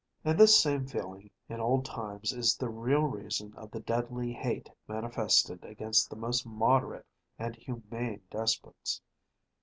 And this same feeling in old times is the real reason of the deadly hate manifested against the most moderate and humane despots.